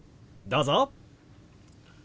どうぞ！